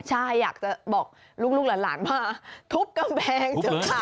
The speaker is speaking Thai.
ใช่อยากจะบอกลูกหลานว่าทุบกำแพง